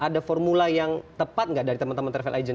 ada formula yang tepat nggak dari teman teman travel agent